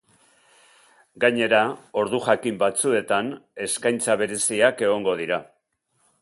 Gainera, ordu jakin batzuetan, eskaintza bereziak egongo dira.